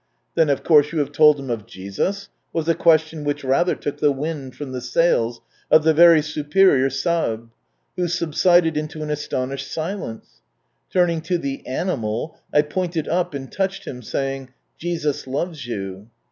" Then, of course, you have told him of Jesus ?'' was a question which rather took the wind from the sails of the very superior Sahib, who subsided into an astonished silence. Turning to the " animal," 1 pointed up and touched him, saying, "Jesus loves you."